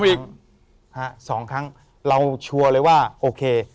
อีก๒ครั้งเราชัวร์เลยว่าโอเค